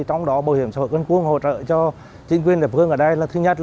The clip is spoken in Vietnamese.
trong đó bảo hiểm xã hội con cuông hỗ trợ cho chính quyền địa phương